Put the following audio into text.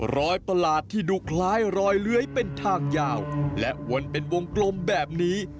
ประหลาดที่ดูคล้ายรอยเลื้อยเป็นทางยาวและวนเป็นวงกลมแบบนี้